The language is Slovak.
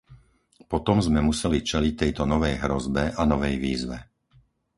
Potom sme museli čeliť tejto novej hrozbe a novej výzve.